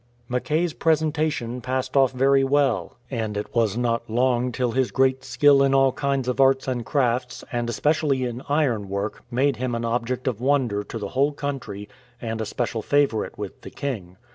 Mackay's presentation passed off very well, and it was 107 ADVERSE INFLUENCES not long till his great skill in all kinds of arts and crafts, and especially in ironwork, made him an object of wonder to the whole country and a special favourite with the king.